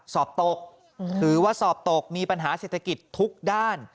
สอบตกถือว่าสอบตกมีปัญหาเศรษฐกิจทุกด้าน